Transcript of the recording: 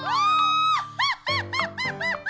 アハハハハハハ！